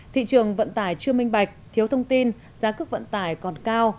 thị trường vận tải chưa minh bạch thiếu thông tin giá cước vận tải còn cao